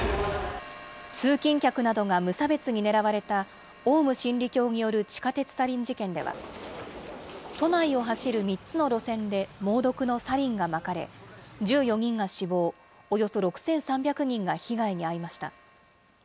通勤客などが無差別に狙われたオウム真理教による地下鉄サリン事件では、都内を走る３つの路線で猛毒のサリンがまかれ、１４人が死亡、およそ６３００人が被害に遭いました。